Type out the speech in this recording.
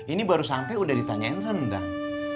ini baru sampai udah ditanyain rendang